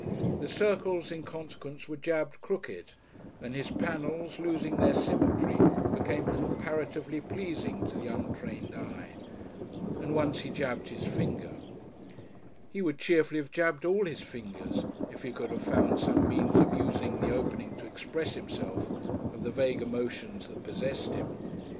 The circles in consequence were jabbed crooked; and his panels, losing their symmetry, became comparatively pleasing to the untrained eye and once he jabbed his finger. He would cheerfully have jabbed all his fingers if he could have found some means of using the opening to express himself of the vague emotions that possessed him.